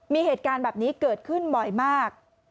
มีเหตุการณ์แบบนี้เกิดขึ้นบ่อยมาก